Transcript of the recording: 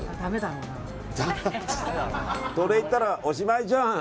それ言ったらおしまいじゃん。